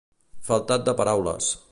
Faltat de paraules.